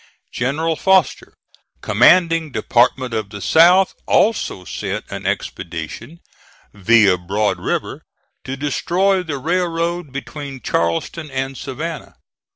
General Foster, commanding Department of the South, also sent an expedition, via Broad River, to destroy the railroad between Charleston and Savannah.